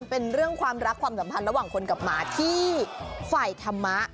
เป็นเรื่องความรักความสัมพันธ์ระหว่างคนกับหมาที่ฝ่ายธรรมะ